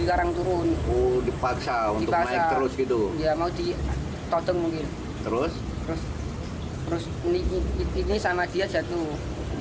karang turun oh dipaksa untuk naik terus gitu ya mau ditotong mungkin terus terus ini sama dia jatuh